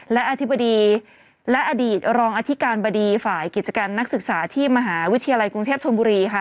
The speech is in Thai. และอธิบดีและอดีตรองอธิการบดีฝ่ายกิจการนักศึกษาที่มหาวิทยาลัยกรุงเทพธนบุรีค่ะ